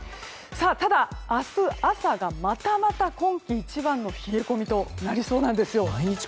ただ、明日朝がまたまた今季一番の冷え込みとなりそうなんですよ。